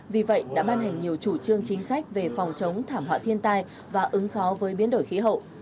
vì vậy đã ban hành nhiều chủ trương chính sách về phòng chống thảm họa thiên tai và ứng phó với biến đổi khí hậu